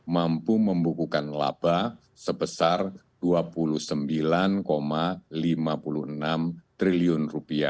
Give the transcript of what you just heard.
mampu membukukan laba sebesar rp dua puluh sembilan lima puluh enam triliun